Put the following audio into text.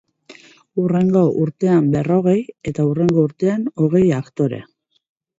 Hurrengo urtean berrogei, eta hurrengo urtean hogei aktore.